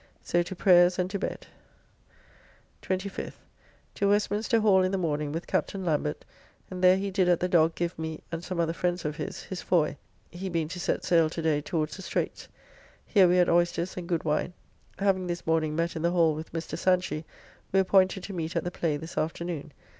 So to prayers and to bed. 25th. To Westminster Hall in the morning with Captain Lambert, and there he did at the Dog give me and some other friends of his, his foy, he being to set sail to day towards the Streights. Here we had oysters and good wine. Having this morning met in the Hall with Mr. Sanchy, we appointed to meet at the play this afternoon.